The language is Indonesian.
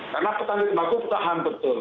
karena petani tembakau tahan betul